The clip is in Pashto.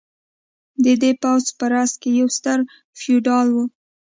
د دې پوځ په راس کې یو ستر فیوډال و.